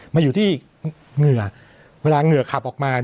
มาอยู่ที่เหงื่อเวลาเหงื่อขับออกมา